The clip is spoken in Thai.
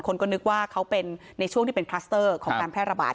คนก็นึกว่าเขาเป็นในช่วงที่เป็นคลัสเตอร์ของการแพร่ระบาด